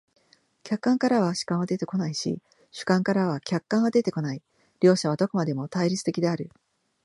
客観からは主観は出てこないし、主観からは客観は出てこない、両者はどこまでも対立的である。